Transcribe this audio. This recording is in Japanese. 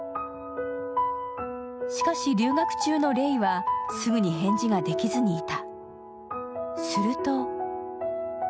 しかし、留学中のレイはすぐに返事ができずにいた。